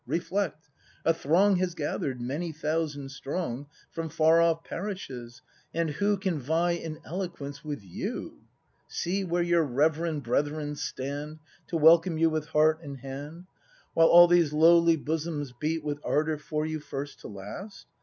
Reflect! A throng Has gather'd, many thousand strong, From far off parishes, — and who Can vie in eloquence with you ? See where your reverend brethren stand. To welcome you with heart and hand; While all these lowly bosoms beat With ardour for you, first to last!